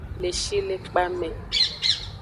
Le shilekpa me.